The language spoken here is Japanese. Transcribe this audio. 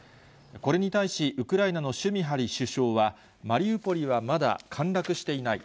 これに対し、ウクライナのシュミハリ首相は、マリウポリはまだ陥落していない。